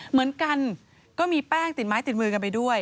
เหมือนกันก็มีแป้งติดไม้ติดมือกันไปด้วย